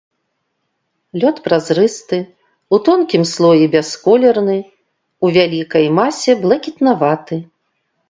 Лёд празрысты, у тонкім слоі бясколерны, у вялікай масе блакітнаваты.